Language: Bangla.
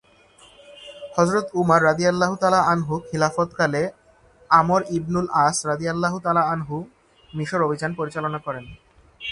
হযরত উমার রা খিলাফতকালে আমর ইবনুল আস রা মিসর অভিযান পরিচালনা করেন।